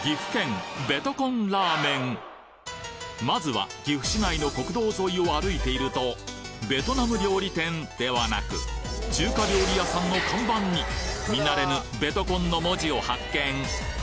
まずは岐阜市内の国道沿いを歩いているとベトナム料理店ではなく中華料理屋さんの看板に見慣れぬ「ベトコン」の文字を発見